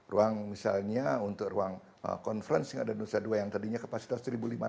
ruang misalnya untuk ruang conference yang ada nusa dua yang tadinya kapasitas satu lima ratus